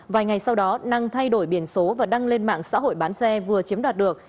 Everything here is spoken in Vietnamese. vài ngày sau đó năng thay đổi biển số và đăng lên mạng xã hội bán xe vừa chiếm đoạt được